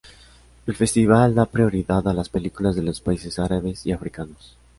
El festival da prioridad a las películas de los países árabes y africanos.